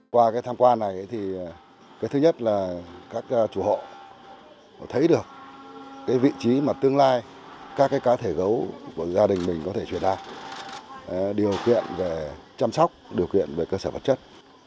qua cái tham quan này thì cái thứ nhất là các chủ hộ thấy được vị trí mà tương lai các cá thể gấu của gia đình mình có thể truyền đạt điều kiện về chăm sóc điều kiện về cơ sở vật chất